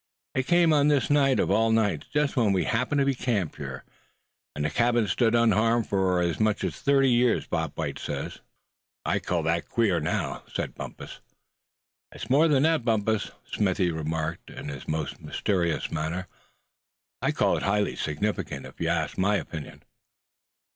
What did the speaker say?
"It came on this night of all nights, just when we happened to be camped here. And the cabin has stood unharmed for as much as thirty years, Bob White says." "I call that queer, now," said Bumpus. "It's more than that, Bumpus," Smithy remarked, in his most mysterious manner; "I'd call it highly significant, if you asked my opinion."